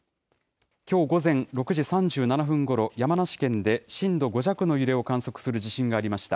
きょう午前６時３７分ごろ、山梨県で震度５弱の揺れを観測する地震がありました。